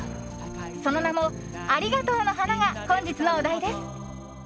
その名も、ありがとうの花が本日のお題です。